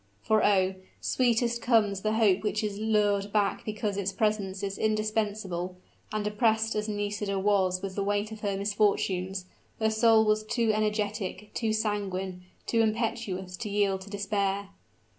For oh! sweetest comes the hope which is lured back because its presence is indispensable; and, oppressed as Nisida was with the weight of her misfortunes, her soul was too energetic, too sanguine, too impetuous to yield to despair.